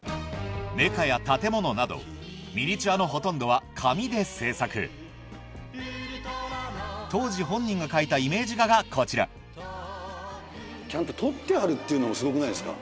メカや建物などミニチュアのほとんどは紙で制作当時本人が描いたイメージ画がこちらちゃんと取ってあるっていうのがすごくないですか？